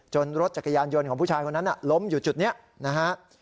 รถจักรยานยนต์ของผู้ชายคนนั้นล้มอยู่จุดนี้นะฮะ